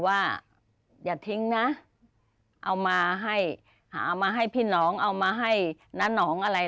ว่าอย่าทิ้งนะเอามาให้หามาให้พี่น้องเอามาให้น้าหนองอะไร